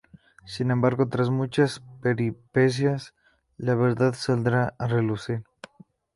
Sin embargo, tras muchas peripecias, la verdad saldrá a relucir.